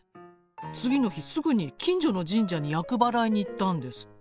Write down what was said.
次の日すぐに近所の神社に厄払いに行ったんですって。